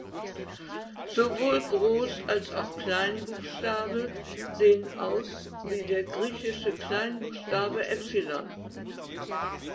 Sowohl Groß- als auch Kleinbuchstabe sehen aus wie der griechische Kleinbuchstabe Epsilon.